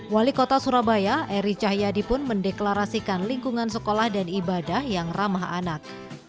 wali kota surabaya eri cahyadi pun mendeklarasikan lingkungan sekolah dan ibadah yang ramah anak